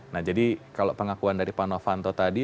nah jadi kalau pengakuan dari pak novanto tadi